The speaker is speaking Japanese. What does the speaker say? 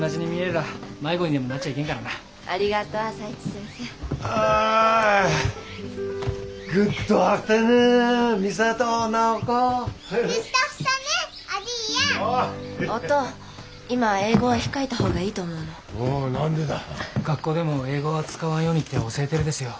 学校でも英語は使わんようにって教えてるですよ。